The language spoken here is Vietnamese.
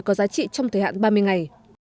có giá trị trong thời hạn ba mươi ngày